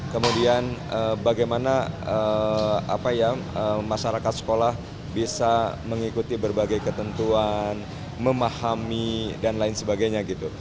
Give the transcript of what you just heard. kemudian bagaimana masyarakat sekolah bisa mengikuti berbagai ketentuan memahami dan lain sebagainya gitu